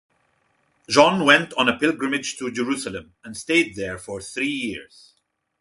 John went on a pilgrimage to Jerusalem, and stayed there for three years.